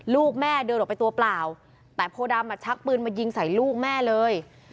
ลูกแม่เดินออกไปตัวเปล่าแต่โพดำอ่ะชักปืนมายิงใส่ลูกแม่เลย